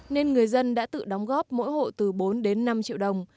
nên người dân đã tự đóng góp mỗi hộ từ bốn đến năm triệu đồng